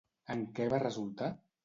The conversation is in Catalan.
En què va resultar?